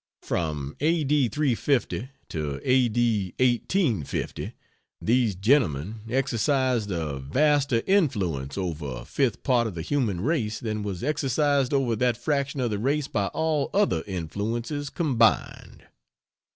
From A.D. 350 to A.D. 1850 these gentlemen exercised a vaster influence over a fifth part of the human race than was exercised over that fraction of the race by all other influences combined.